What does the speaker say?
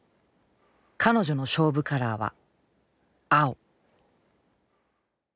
彼女の勝負カラーは青。